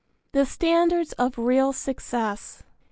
V. THE STANDARDS OF REAL SUCCESS.